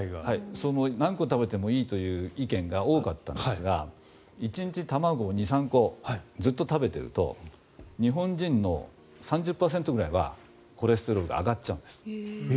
その何個食べてもいいという意見が多かったんですが１日、卵を２３個ずっと食べていると日本人の３０％ぐらいはコレステロールが上がっちゃうんです。